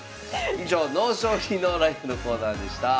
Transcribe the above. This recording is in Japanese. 以上「ＮＯ将棋ＮＯＬＩＦＥ」のコーナーでした。